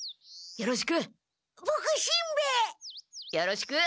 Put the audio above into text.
よろしく。